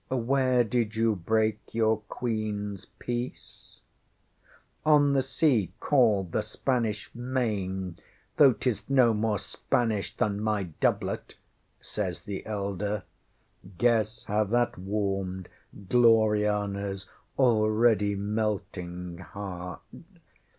Where did you break your QueenŌĆÖs peace? ŌĆØ ŌĆśŌĆ£On the sea called the Spanish Main, though ŌĆśtis no more Spanish than my doublet, ŌĆØ says the elder. Guess how that warmed GlorianaŌĆÖs already melting heart!